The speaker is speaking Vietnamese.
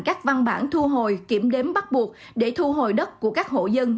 các văn bản thu hồi kiểm đếm bắt buộc để thu hồi đất của các hộ dân